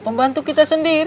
pembantu kita sendiri